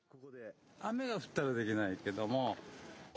雨がふったらできないけども。